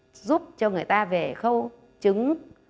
để giúp cho người ta về khâu trứng